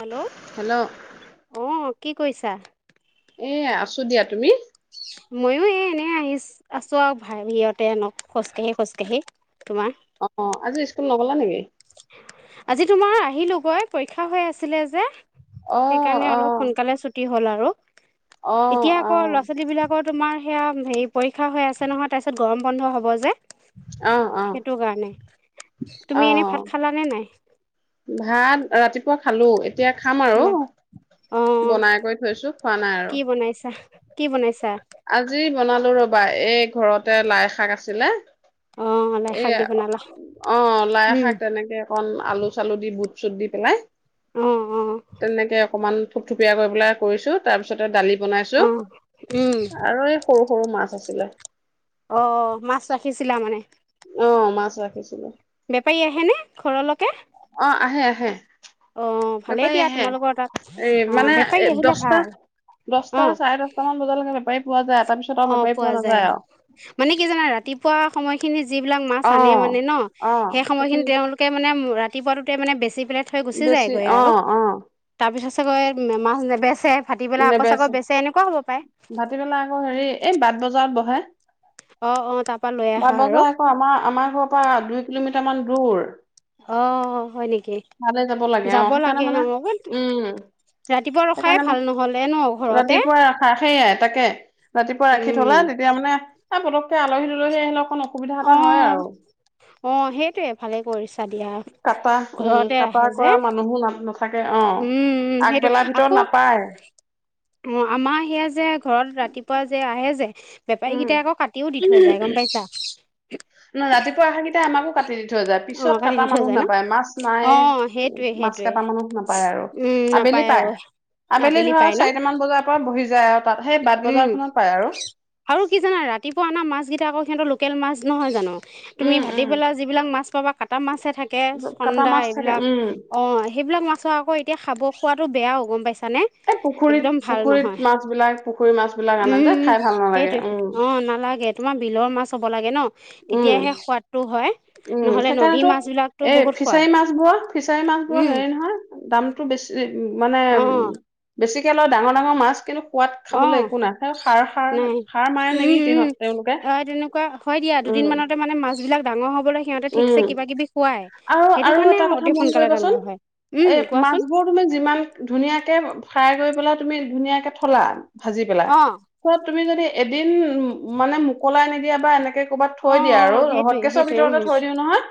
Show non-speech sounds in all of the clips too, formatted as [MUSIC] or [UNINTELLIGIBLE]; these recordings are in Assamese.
হেল্ল' হেল্ল' অ' কি কৰিছা? এয়া আছোঁ দিয়া, তুমি? ময়ো এই এনেই আহিছ আছো আৰু ভাই ভহতে আনক খোজকাঢ়ি খোজকাঢ়ি। তোমাৰ [UNINTELLIGIBLE] আজি স্কুল নগলা নেকি? আজি তোমাৰ আহিলোগৈ পৰীক্ষা হৈ আছিলে যে। অ সেইকাৰণে অ অলপ সোনকালে ছুটি হ'ল আৰু। অ এতিয়া অ আকৌ ল'ৰা অ ছোৱালী বিলাকত তোমাৰ সেয়া হেৰি পৰীক্ষা হৈ আছে নহয় তাৰ পিছত গৰম বন্ধ হ'ব যে। অ সেইটো কাৰণে, অ তুমি এনে ভাত খালানে নাই? ভাত ৰাতিপুৱা খালো। এতিয়া খাম খালা অ আৰু বনাই কৰি থৈছো খোৱা নাই কি আৰু। বনাইছা। কি বনাইছা? আজি বনালো ৰবা এই ঘৰতে লাই শাক আছিলে। অ লাই এই শাক দি বনালা অ' লাই উম শাক তেনেকে অকণ আলু-চালু দি বুট-চুট দি পেলাই, অ অ তেনেকে অকণমান থুপথূপিয়া কৰি পেলাই কৰিছোঁ। তাৰপিছতে দালি অ বনাইছোঁ। উম, আৰু এই, সৰু-সৰু মাছ আছিলে। অ, মাছ ৰাখিছিলা মানে। অ, মাছ ৰাখিছিলো। বেপাৰী আহেনে, ঘৰলকে? অ, আহে আহে। ভালেই বেপাৰী দিয়া আহে, তোমালোকৰ তাত এই অ', মানে বেপাৰী আহিলে দহটা, ভাল দহটা অ', চাৰে দচ বজালৈকে বেপাৰী পোৱা যায়, তাৰ পিছত আৰু অ', বেপাৰী পোৱা যায় নাযায় আৰু মানে কি জানা, ৰাতিপুৱা সময়খিনি যিবিলাক মাছ অ আনে মানে ন, অ সেই সময়খিনি সেইখিনি তেওঁলোক মানে ৰাতিপুৱাটোতে মানে বেচি পেলাই থৈ গুচি বেছি যায়গৈ অ আৰু। অ তাৰপিছত চাগৈ মাছে নেবেচে, ভাতিবেলা আকৌ চাগৈ বেচে, এনেকুৱা হ'ব পায়। ভাতিবেলা আকৌ হেৰি, এই বাট বজাৰত বহে। অ', অ', তাৰপা লৈ আহা বাট আৰু বজাৰ আকৌ আমাৰ, আমাৰ ঘৰৰ পৰা দুই কিলোমিটাৰ মান দূৰ। অ, হয় নেকি? ভালে যাব লাগে। অ, সেইকাৰণে লাগে মানে অ', উম, ৰাতিপুৱা ৰখাই সেইকাৰণে ভাল মানে, নহ'লে ন ঘৰতে ৰাতিপুৱাই সেইয়াই তাকে। ৰাতিপুৱা ৰাখি থলা, উম তেতিয়া মানে এই পতকে আলহী- দুলহী আহিলে অকণ অসুবিধা এটা হয় আৰু। অ', অ, সেইটো ভালে কৰিছা দিয়া। কাটা উম, ঘৰতে কাটা ৰাখে যে কৰা মানুহবোৰ, নাথাকে অ, উম উম সেইটোৱে আগবেলাৰ আকৌ ভিতৰত নাপায়। অ, আমাৰ সেয়া যে, ঘৰত ৰাতিপুৱা যে আহে যে উম বেপাৰীকেইটাই আকৌ কাটিও দি থৈ যায়, গম পাইছা। ৰাতিপুৱা আহা, কেই তেতিয়া আমাকো কাটি দি থৈ যায়। অ পিছত কাটি দি কাটা থৈ মানুহ যায় ন নাপায়, মাছ অ নাই, সেইটোৱে মাছ সেইটোৱে কটা মানুহ নাপায় আৰু। উম, আবেলি নাপায় পায় আৰু আবেলি ধৰা পায় ন চাৰিটামান বজাৰ পৰা বহি যায় আৰু। তাত সেই বাট উম, বজাৰখনত পায় আৰু আৰু কি জানা, ৰাতিপুৱা অনা মাছ কেইটা আকৌ সিহঁতৰ লোকেল মাছ নহয় জানো? তুমি উম উম ভাতিবেলা যিবিলাক মাছ পাবা, কাটা মাছহে থাকে। কটা চন্দা, মাছ থাকে এইবিলাক উম অ, সেইবিলাক মাছ আকৌ এতিয়া খাব, খোৱাটো বেয়াও গম পাইছানে? এই পুখুৰীত, একদম ভাল নহয় পুখুৰীত মাছ বিলাক পুখুৰী মাছ বিলাক আনে উম, যে উম, খাই ভাল নালাগে সেইটোৱে উম সেইটো অ, নালাগে। তোমাৰ বিলৰ মাছ হ'ব লাগে ন, উম তেতিয়াহে সোৱাদটো হয়। উম, নহ'লে নদীৰ সেইকাৰণেতো মাছ বিলাকতো এই বহুত সোৱাদ ফিচাৰী মাছ বোৰ, ফিচাৰী মাছ বোৰ উম হেৰি নহয়। দামটো বেছি মানে, অ বেছিকৈ লয় ডাঙৰ-ডাঙৰ মাছ কিন্তু খোৱাত অ খাবলৈ একো নাই, নাই সাৰ-সাৰ-সাৰ মাৰে উম নেকি উম তহঁত তেওঁলোকে। অ তেনেকুৱা হয় দিয়া, উম দুদিনমানতে মানে মাছবিলাক ডাঙৰ হ'বলৈ সিহঁতে ঠিকছে উম কিবা-কিবি খোৱাই আৰু সেইটো আৰু কাৰণে এটা কথা অতি মন সোনকালে ডাঙৰ কৰিবাচোন হয় উম, এই কোৱাচোন। মাছবোৰ তুমি যিমান ধুনীয়াকে ফ্ৰাই কৰি পেলাই তুমি ধুনীয়াকে থলা, ভাজি পেলাই। অ ত, তুমি যদি এদিন মানে, মোকলাই নিদিয়া বা এনেকে ক'বাত থৈ অ দিয়া অ সেইটোৱে হতকচৰ সেইটোৱে উম ভিতৰতে থৈ দিও নহয়,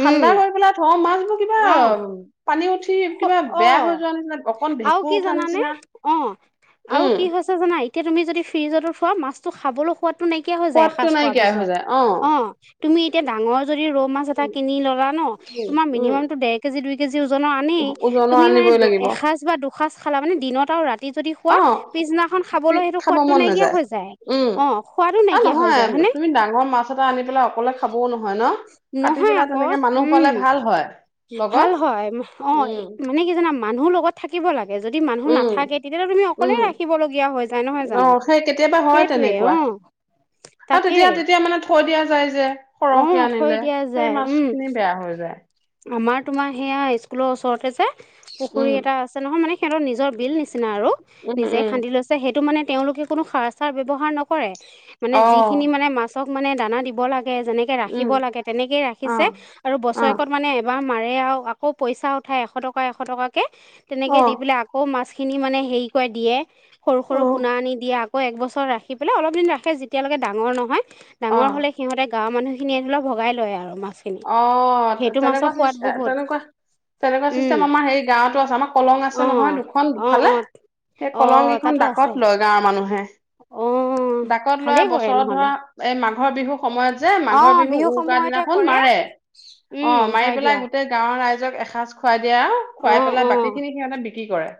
ঠাণ্ডা কৰি পেলাই থও মাছবোৰ কিবা, উম পানী উঠি অ কিবা অ বেয়া হৈ যোৱা নিচিনা অকন আৰু ভেঁকুৰ কি উঠা জানানে নিচিনা অ আৰু উম কি হৈছে জানা, এতিয়া তুমি যদি ফ্ৰিজতো থোৱা, মাছটো খাবলৈ সোৱাদ টো নাইকিয়া হৈ যায়, সোৱাদটো এসাজ খোৱাৰ নাইকিয়া হৈ পিছত যায় অ অ'। তুমি এতিয়া ডাঙৰ যদি ৰৌ মাছ এটা উম কিনি ললা ন, তোমাৰ উম মিনিমামটো ডেৰ কেজি দুই কেজি ওজনৰ আনেই। উম ওজনৰ তুমি মানে আনিবই দু লাগিব এসাঁজ বা দুসাঁজ খালা মানে দিনত আও ৰাতি ৰাতি যদি খোৱা অ পিছদিনাখন পি- খাবলৈ সেইটো খাব সোৱাদটো মন নাইকিয়া নাযায় হৈ যায়। উম অ' সোৱাদো অ নাইকিয়া হয় নহয় যায়। হয়নে? তুমি ডাঙৰ মাছ এটা আনি পেলাই অকলে খাবও নহয় ন? কাটি নহয় পেলাই আক'! তেনেকে মানুহ পালে উম ভাল হয় লগত ভাল হয়। উম মানে কি জানা? মানুহ লগত থাকিব লাগে যদি মানুহ উম নাথাকে তেতিয়াহলে তুমি অকলে উম ৰাখিবলগীয়া হৈ যায় নহয় অ জানো? সেই কেতিয়াবা হয় সেইটোৱে তেনেকুৱা অ' আৰু তাকে! তেতিয়া তেতিয়া মানে থৈ দিয়া যায় যে অ সৰহকে থৈ আনিলে দিয়া সেই যায় উম মাছখিনি বেয়া হয় যায়। আমাৰ তোমাৰ সেয়া স্কুলৰ ওচৰতে যে। পুখুৰী উম এটা আছে নহয় মানে সিহঁতৰ নিজৰ বিল নিচিনা আৰু উম নিজে উম খান্দি লৈছ ছে সেইটো মানে তেওঁলোকে কোনো সাৰ-চাৰ ব্যৱহাৰ নকৰে। মানে অ যিখিনি মানে মাছ ক মানে দানা দিব লাগে, যেনেকে উম ৰাখিব লাগে তেনেকেই অ ৰাখিছে। আৰু বছৰেকত মানে এবাৰ মাৰে আও আকৌ পইচা উঠাই এশ টকা এশ টকাকে। অ তেনেকে দি পেলাই আকৌ মাছখিনি মানে হেৰি কৰে দিয়ে। সৰু অ সৰু পোনা আনি দিয়ে আকৌ একবছৰ ৰাখি পেলাই অলপ দিন যেতিয়ালৈকে ডাঙৰ নহয়। অ ডাঙৰ হ'লে সিহঁতে গাঁৱৰ মানুহখিনি ভগাই লয় আৰু মাছ। অ' তেনেকুৱা চ তেনেকুৱা তেনেকুৱা চিষ্টেম উম আমাৰ হে গাঁৱতো আছে। আমাক কলং আছে অ নহয়, দুখন অ অ দুফালে। সেই অ কলংকেইখন তাতো আছে ডাকত লয় গাঁৱৰ মানুহে, অ ডাকত লয় ভালেই কৰে বছৰত নহ'লে ধৰা এই মাঘৰ বিহুৰ সময়ত যে অ মাঘৰ বিহু উৰুকাৰ সময়তে দিনাখন কৰে মাৰ ৰে, উম অ' মাৰি হয় পেলাই দিয়া গোটেই গাঁৱৰ ৰাইজক এসাঁজ খুৱাই দিয়ে আও, অ খুৱাই পেলাই অ বাকী খিনি সিহঁতে বিক্ৰী কৰে।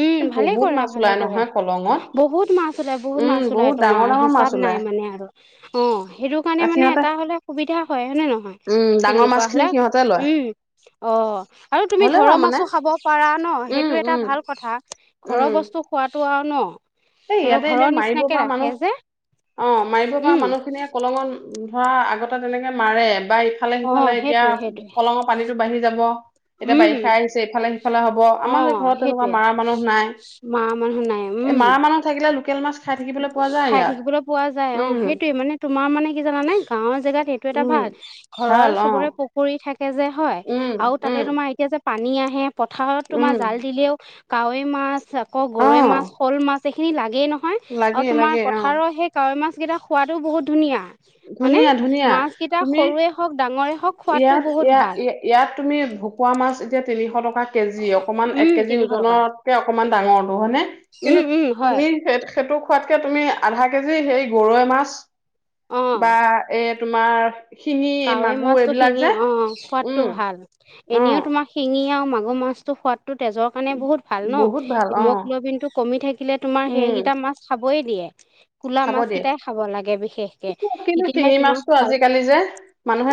উম এ ভালে বহুত কৰে মাছ ভালে ওলাই কৰে নহয় কলঙত বহুত মাছ ওলাই বহুত উম মাছ ওলাই, বহুত ডাঙৰ তোমাৰ ডাঙৰ মাছ হিচাপ নাই ওলাই মানে। অ' সেইটো কাৰণে আৰু মানে সিহঁতে এটা হলে সুবিধা হয়। হয়নে নহয়? উম ডাঙৰ মাছ তেনেকুৱা খিনি হলে সিহঁতে লয় উম অ' আৰু তুমি হ'লেও ঘৰৰ আৰু মানে মাছো খাব পাৰা ন', উম সেইটো এটা উম ভাল কথা উম ঘৰৰ বস্তু খোৱাটো আৰু ন। এই ধৰি লওক ইয়াতে এতিয়া ঘৰৰ মাৰিব নিচিনাকে পৰা ৰাখে যে মানুহ অ' মাৰিব পৰা উম মানুহখিনিয়ে কলঙত ধৰা আগতে তেনেকে মাৰে বা অ ইফালে-সিফালে এতিয়া সেইটোৱে সেইটোৱে কলঙৰ পানীটো বাঢ়ি যাব। এতিয়া উম বাৰিষা আহিছে, ইফালে-সিফালে হব আমাৰ যে ঘৰত তেনেকুৱা মাৰা মানুহ নাই। মাৰা মানুহ নাই। উম! এ মাৰা মানুহ থাকিলে। লোকেল মাছ খাই থাকিবলৈ পোৱা যায় খাই ইয়াত থাকিবলৈ পোৱা যায়, অ' উম সেইটোয়ে মানে তোমাৰ মানে কি জানানে গাঁৱৰ জেগাত সেইটো এটা উম ভাল। ঘৰৰ ভাল অ চবৰে প পৰি থাকে যে, হয় উম আৰু তাতে উম তোমাৰ এতিয়া যে পানী আহে পথাৰত তোমাৰ উম জাল দিলেও। কাৱৈ মাছ আকৌ অ গৰৈ মাছ, শ'ল মাছ এইখিনি লাগেই নহয় লাগে আৰু তোমাৰ লাগে অ পথাৰৰ সেই কাৱৈ মাছ কেইটা খোৱাতো বহুত ধুনীয়া মানে ধুনীয়া ধুনীয়া মাছ কেইটা তুমি সৰুৱে হওঁক, ডাঙৰে হওঁক খোৱাটো ইয়াত বহুত ইয়া ভাল। ইয়াত তুমি ভকুৱা মাছ এতিয়া তিনিশ টকা। কেজি অকমান এক উম কেজি তিনিশ টকা ওজনতকে অকমান ডাঙৰটো হয়নে? কিন্তু উম উম হয় তুমি সেই-সেইটো খোৱাতকে তুমি আধা কেজি হেই গৰৈ মাছ অ বা এই তোমাৰ শিঙি, মা কাৱৈ মাছটো শিঙি অ', সোৱাদটো ভাল, অ এনেও তোমাক শিঙি আৰু মাগুৰ মাছটো সোৱাদ টো তেজৰ কাৰনে বহুত ভাল ন' বহুত ভাল অ হিম'গ্লবিন টো কমি থাকিলে তোমাৰ উম সেইকেইটা মাছ খাবই দিয়ে, ক'লা খাব মাছ দিয়ে কেইটাই খাব লাগে বিশেষকে কিন্তু তেতিয়াহে শিঙি তোমাৰ ভাল। [UNINTELLIGIBLE]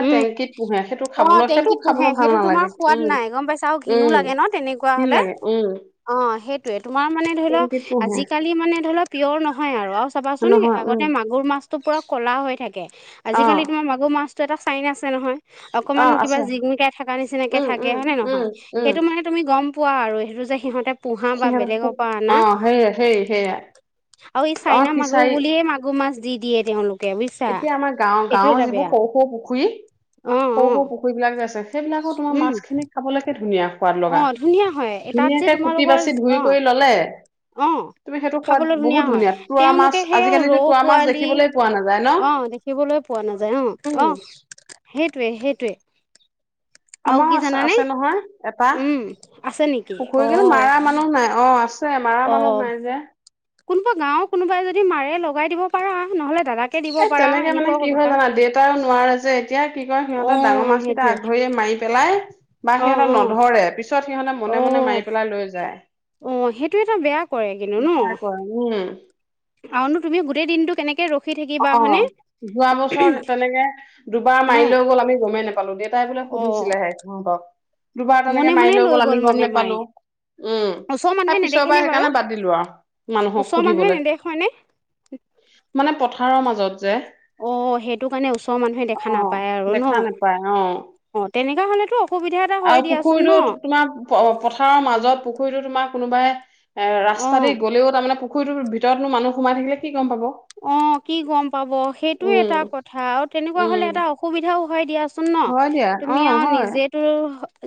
উম, টেংকিত পোহে সেইটো অ', খাবলৈ সেইটো টেংকিত পোহে খাবলৈ ভাল সেইটো তোমাৰ নালাগে সোৱাদ উম নাই গ'ম পাইছা আৰু ঘিনো উম লাগে ন' তেনেকুৱা দিন হ'লে? লাগে উম অ', সেইটোয়ে তোমাৰ মানে ধৰি লও, টেংকি পোহে আজিকালি মানে ধৰি লও পিয়ৰ নহয় আৰু চাবাচোন নহয় উম আগতে মাগুৰ মাছতটো পুৰা ক'লা হৈ থাকে, অ আজিকালি তোমাৰ মাগুৰ মাছ টোৰ এটা চাইন আছে নহয়, অ অকনমান আছে কিবা জিকমিকাই থকা নিচিনাকে উম উম থাকে হয়নে উম নহয়? উম সেইটো মানে তুমি গ'ম পোৱা আৰু সেইটো যে সিহঁতে পোহা বা সিহঁত বেলেগৰ পু- পৰা আনা। অ সেয়ে সেই সেয়া আৰু এই অ চাইনা মাগুৰ ফিচাৰী বুলিয়ে মাগুৰ মাছ দি দিয়ে তেওঁলোক। এতিয়া আমাৰ গাঁওৰ গাঁৱৰ যিবোৰ সৰু সৰু পুখুৰী। অ সৰু অ সৰু পুুখুৰী বিলাক যে আছে সেইবিলাকৰ তোমাৰা উম মাছ খিনি খাবলৈকে ধুনীয়া হয়। সোৱাদ অ লগা, ধুনীয়া হয় তাত যে ধুনীয়াকে কুটি তোমালোকৰ বাচি ধুই অ কৰি ল'লে। অ তুমি সেইটো সোৱাদ খাবলৈ বহুত হয় ধুনীয়া তুৰা মাছ তেওঁলোকে সেই আজিকালিতো ৰৌ তুৰা মাছ পোৱালি দেখিবলৈ পোৱা নাযায়। ন অ', দেখিবলৈ পোৱা নাযায় উম অ', অ', সেইটোয়ে সেইটোয়ে। আৰু আমাৰো কি আছে জানানে আছে নহয় এটা উম, আছে নেকি? অ পুখুৰী কিন্তু মাৰা মানুহ নাই অ', আছে মাৰা অ মানুহ নাই যে। কোনোবা গাঁৱৰ কোনোবাই যদি মাৰে লগাই দিব পাৰা, নহ'লে দাদাক এ তেনেকে মানে কি হয় জানা দেউতাও নোৱাৰে যে এতিয়া কি কয় অ সিহঁতৰ ডাঙৰ মাছ কেইটা সেইটোৱে আগ ধৰিয়ে মাৰি পেলাই বা অ সিহঁতৰ অ নধৰে। পিছত সিহঁতে অ মনে মনে মাৰি পেলাই লৈ যায়। অ', সেইটো এটা বেয়া কৰে কিন্তু ন'। বেয়া কৰে, উম। আৰু নো তুমি গোটেই দিনটো কেনেকে ৰখি থাকিবা হয় অ' নে? যোৱা বছৰ তেনেকে দুবাৰ অ মাৰি লৈ গ'ল আমি গ'মেই নোপালো, দেউতাই বোলে অ সুধিছিলেহে। অ', ব দুবাৰ মনে তেনেকে মাৰি মনে লৈ গ'ল আমি গ'ম মানে মাৰি নোপালো। উম, ওচৰৰ মানুহে এই নেদেখেনে পিছৰবাৰ বাৰু সেইকাৰণে বাদ দিলো আৰু মানুহক ওচৰৰ মানুহে সুধিবলৈ। নেদেখ হয়নে মানে পথাৰৰ মাজত যে। অ', সেইটো কাৰণে ওচৰৰ মানুহে দেখা অ' নাপায় আৰু দেখা ন' নাপায় অ', তেনেকা হ'লে তো আৰু পুখুৰীটো তোমাৰ পথাৰৰ মাজত পুখুৰীতো তোমাৰ কোনোবাই এ অ ৰাস্তা দি গ'লেও তাৰমানে পুখুৰটোৰ ভিতৰতনো মানুহ সোমাই থাকিলে কি গ'ম পাব। অ', কি গ'ম পাব সেইটোয় এটা উম, কথা আৰু তেনেকুৱা হ'লে উম, এটা অসুবিধাও হয় দিয়াচোন ন'। হয় দিয়া তুমি অ', আৰু হয় নিজেতো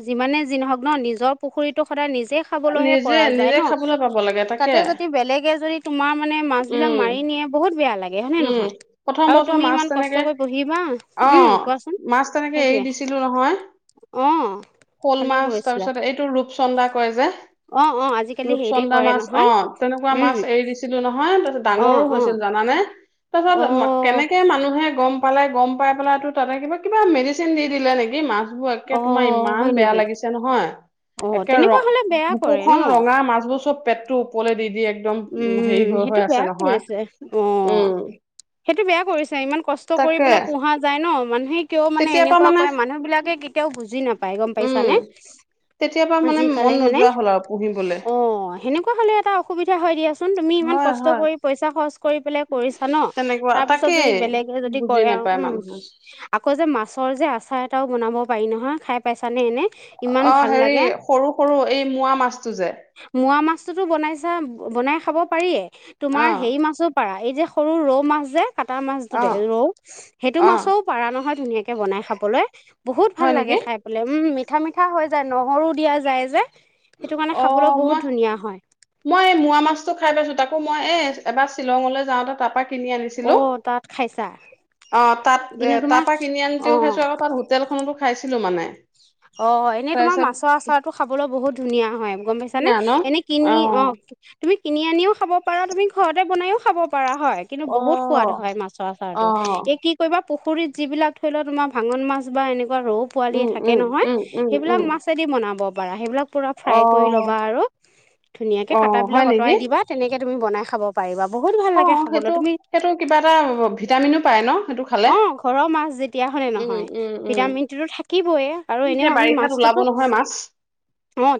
যিমানে যিহওক ন' নিজৰ পুখুৰীটো সদায় নিজে খাবলৈহে নিজে কৰা যায় নিজে ন'! খাবলৈ পাব লাগে তাকে তাতে যদি বেলেগে যদি তোমাৰ মানে মাছ উম, বিলাক মাৰি নিয়ে বহুত বেয়া লাগে। লাগে হয় নে উম, নহয় প্ৰথম আৰু বছৰ তুমি মাছ ইমান তেনেকে কষ্টকৈ পঢ়িবা উম, অ', কোৱাচোন। মাছ তেনেকে এৰি সেইটোৱে দিছিলো নহয়। অ'। শ'ল ভালে মাছ কৰিছিলা তাৰপিছত এইটো ৰূপচন্দা কয় যে। অ অ আজিকালি হেৰিতে ৰূপচন্দা কৰে মাছ নহয় অ', তেনেকুৱা উম মাছ এৰি দিছি লো নহয় তাৰপাছত অ ডাঙৰো অ হৈছিল জানানে, তাৰপিছত অ কেনেকে মানুহে গ'ম পালে গ'ম পাই পেলাই তো তাতে কিবা কিবা মেডিচিন দি দিলে নেকি মাছ বোৰ একে অ তোমাৰ ইমান হয় বেয়া নেকি লাগিছে নহয়। অ একে ৰ তেনেকুৱা হলে বেয়া কৰে ন বুকুখনন ৰঙা মাছবোৰ চব পেটটো ওপৰলে দি দিয়ে এক উম সেইটো বেয়া কৰি আছে। উম অ', সেইটো বেয়া কৰিছে ইমান কষ্ট কৰি তাকে পেলাই পোহা যায় ন মানুহে কিয় মানে তেতিয়াৰ পৰা এনেকুৱা কৰে, মানুহ বিলাকে কেতিয়াও বুজি নাপায় গম উম পাইছা নে তেতিয়াৰ পৰা মানে আজি কালি মন মানে নোযোৱা হ'ল আৰু পুহিবলে অ' সেনেকুৱা হাললে এটা অসুবিধা হৈ দিয়াচোন। চোন তুমি ইমান হয় কষ্ট হয় কৰি পইচা খৰচ কৰি পেলাই কৰিছা ন। তেনেকুৱা তাৰ পিছত তাকেই যদি বেলেগে যদি বুজি কৰে আৰু নাপায় উম। মানুহে আকৌ যে মাছৰ যে আচাৰ এটাও বনাব পাৰি নহয় খাই পাইছানে এনে। ইমান অ', ভাল হেৰি লাগে সৰু সৰু এই মোৱা মাছটো যে। মোৱা মাছটোতো বনাইছা বনাই খাব পাৰিয়ে অ তোমাৰ হেৰি মাছো পাৰা এই যে সৰু ৰৌ মাছ যে কটা মাছ টো অ যে ৰৌ সেইটো অ মাছৰো পাৰা নহয় ধুনীয়াকে বনাই খাবলৈ বহুত হয় ভাল নেকি লাগে খাই। বোলে উম মিঠা -মিঠা হৈ যায় নহৰুো দিয়া যায় যে। সেইটো কাৰণে খাবলৈ অ', বহুত মই ধুনীয়া হয় মই এই মোৱা মাছতটো খাই পাইছো, তাকো মই এ এবাৰ শ্বিলঙলৈ যাওঁতে তাৰ পা কিনি অ আনিছিলো তাত খাইছা অ' তাত এ কিন্তু তোমাৰ তাৰ পৰা কিনি আনোতেও অ খাইছো আকৌ তাত হোটেলখনতো খাইছিলো মানে। অ', এনেই তোমাৰ তাৰপিছত মাছৰ আছৰটো খাবলৈ বহুত ধুনীয়া হয়। গম পাইছা নে ধুনীয়া ন এনে কিনি অ' তুমি কিনি আনিও খাব পাৰা তুমি ঘৰতে বনাইও খাব পাৰা। হয় কিন্তু অ বহুত সোৱাদ হয় মাছৰ অ আচাৰটো এই কি কবা পুখুৰীত যিবিলাক থৰি লও তোমাৰ ভাঙন মাছ বা এনেকুৱা ৰৌ পোৱালিয়ে উম থাকে থাকে উম নহয় উম উম সেইবিলাক উম মাছ দি বনাব পাৰা সেইবিলাক পূৰা অ ফ্ৰাই কৰি ল'বা আৰু ধুনীয়াকৈ অ কাটাবিলাক হয় নেকি আঁতৰাই দিবা। তেনেকে তুমি বনাই খাব পাৰিবা বহুত ভাল অ লাগে খাবলৈ সেইটো তুমি সেইটো কিবা এটা ভিটামিনো পায় ন' সেইটো খালে অ', ঘৰৰ মাছ যেতিয়া হলে উম নহয় উম উম ভিটামিন টোতো থাকিবইে আৰু এতিয়া এনেও আমি বাৰিষাত ওলাব মাছটোতো নহয় [UNINTELLIGIBLE] মাছ।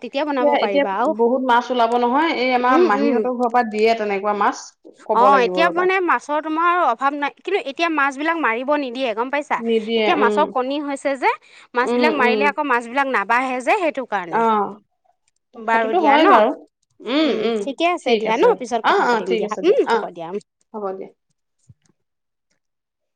তেতিয়া বনাব এতিয়া -এতিয়া পাৰিবা আৰু বহুত মাছ ওলাব নহয় এই উম আমাৰ উম মাহীহঁতও ঘৰত দিয়ে তেনেকুৱা মাছ। ক'ব অ', লাগিব এতিয়া ৰবা মানে মাছৰ তোমাৰ অভাৱ নাই কিন্তু এতিয়া মাছ বিলাক মাৰিব নিদিয়ে গম পাইছা। নিদিয়ে এতিয়া উম মাছৰ কণী হৈছে যে মাছ উম বিাক উম মাৰিলে আকৌ বিাক নাবঢ়ে যে কাৰণে। অ বাৰু সেইটোতো দিয়া হয় ন, বাৰু উম ঠিকে আছে ঠিক দিয়া ন পিছত অ অ কথা পাতিম ঠিক দিয়া আছে উম। অ হ'ব দিয়া উম। হ'ব দিয়া।